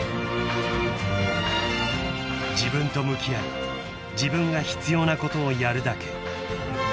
［自分と向き合い自分が必要なことをやるだけ］